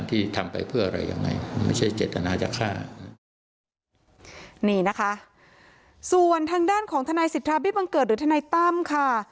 นี่นะคะส่วนทางด้านของทนายสิทธาบิบังเกิดหรือทนายตั้มค่ะ